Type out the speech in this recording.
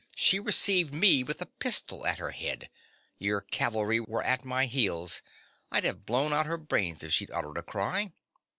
She received me with a pistol at her head. Your cavalry were at my heels. I'd have blown out her brains if she'd uttered a cry.